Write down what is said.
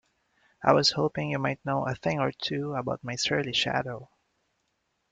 I was hoping you might know a thing or two about my surly shadow?